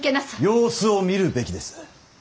様子を見るべきです。